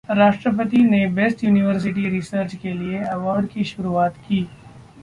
राष्ट्रपति ने best university, research के लिए अवॉर्ड की शुरुआत की